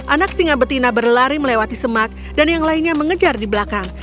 anak singa betina berlari melewati semak dan yang lainnya mengejar di belakang